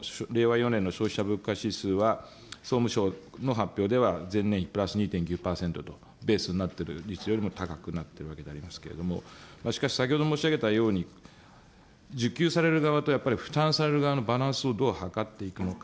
４年の消費者物価指数は、総務省の発表では前年比プラス２．９％と、ベースになってる率よりも高くなっているわけでありますけれども、しかし先ほど申し上げたように、受給される側と負担される側のバランスをどう図っていくのか。